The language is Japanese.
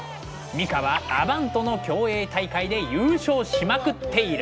ミカはアヴァントの競泳大会で優勝しまくっている。